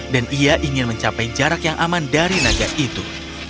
dan ia ingin mencapai jarak yang aman dari naga itu